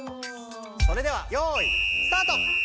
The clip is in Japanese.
それではよいスタート！